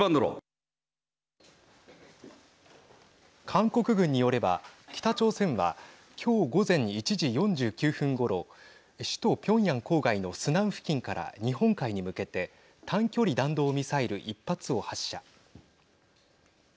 韓国軍によれば、北朝鮮は今日午前１時４９分ごろ首都ピョンヤン郊外のスナン付近から日本海に向けて短距離弾道ミサイル１発を発射。